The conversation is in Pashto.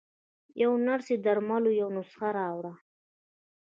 يوې نرسې د درملو يوه نسخه راوړه.